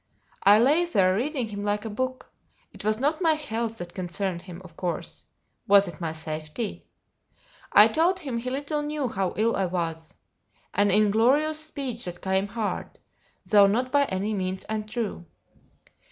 I lay there reading him like a book: it was not my health that concerned him, of course: was it my safety? I told him he little knew how ill I was an inglorious speech that came hard, though not by any means untrue.